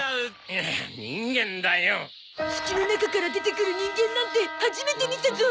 土の中から出てくる人間なんて初めて見たゾ。